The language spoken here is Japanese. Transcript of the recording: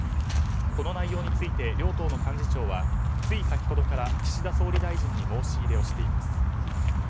この内容について両党の幹事長はつい先ほどから岸田総理大臣に申し入れをしています。